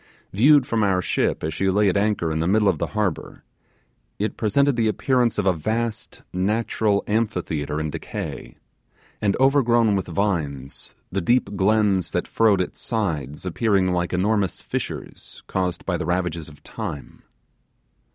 Viewed from our ship as she lay at anchor in the middle of the harbour, it presented the appearance of a vast natural amphitheatre in decay, and overgrown with vines, the deep glens that furrowed it's sides appearing like enormous fissures caused by the ravages of time.